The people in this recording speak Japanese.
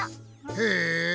へえ。